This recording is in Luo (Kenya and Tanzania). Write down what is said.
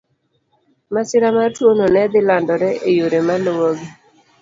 Masira mar tuwono ne dhi landore e yore maluwogi.